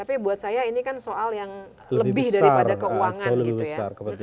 itu keuangan gitu ya